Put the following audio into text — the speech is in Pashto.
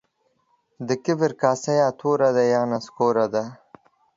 د کبر کاسې يا توري دي يا نسکوري دي.